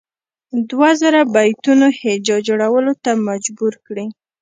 دوه زره بیتونو هجا جوړولو ته مجبور کړي.